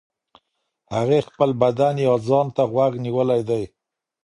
هغې خپل بدن يا ځان ته غوږ نيولی دی.